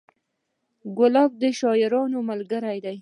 ګلاب د شاعرانو ملګری دی.